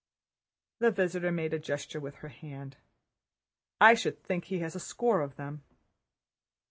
The visitor made a gesture with her hand. "I should think he has a score of them."